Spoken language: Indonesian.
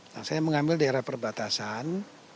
nah saya mengambil daerah perbatasan